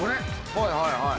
はいはいはい。